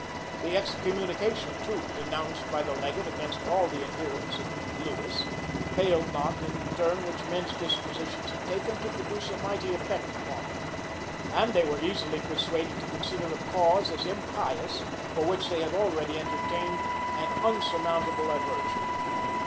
[] The excommunication, too, denounced by the legate against all the adherents of Lewis, failed not, in the turn which men's dispositions had taken, to produce a mighty effect upon them; and they were easily persuaded to consider a cause as impious, for which they had already entertained an unsurmountable aversion.